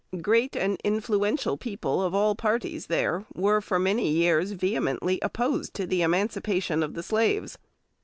Great and influential people of all parties there were for many years vehemently opposed to the emancipation of the slaves.